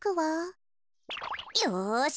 よし！